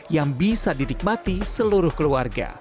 yang bisa dinikmati seluruh keluarga